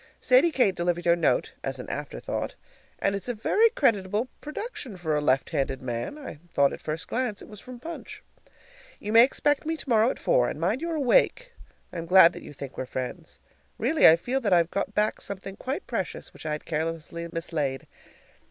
Sadie Kate delivered your note (as an afterthought). And it's a very creditable production for a left handed man; I thought at first glance it was from Punch. You may expect me tomorrow at four, and mind you're awake! I'm glad that you think we're friends. Really, I feel that I've got back something quite precious which I had carelessly mislaid.